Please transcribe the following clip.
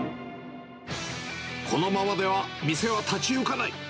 このままでは店は立ち行かない。